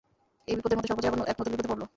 এই বিপদের মধ্যে সর্বজয়া আবার এক নূতন বিপদে পড়ল।